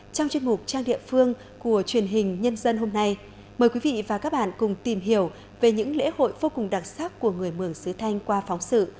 trong chuyên mục trang địa phương của truyền hình nhân dân hôm nay mời quý vị và các bạn cùng tìm hiểu về những lễ hội vô cùng đặc sắc của người mường sứ thanh qua phóng sự